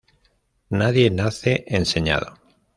Nadie nace enseñado